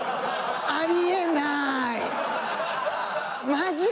ありえない！